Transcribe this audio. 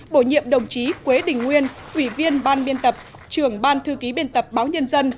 bổ nhiệm đồng chí quế đình nguyên ủy viên ban biên tập trưởng ban thư ký biên tập báo nhân dân